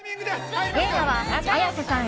映画は綾瀬さん